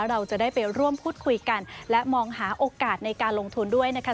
เราจะได้ไปร่วมพูดคุยกันและมองหาโอกาสในการลงทุนด้วยนะคะ